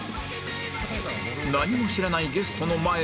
何も知らないゲストの前で